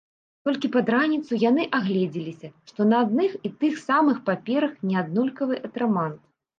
Толькі пад раніцу яны агледзеліся, што на адных і тых самых паперах неаднолькавы атрамант.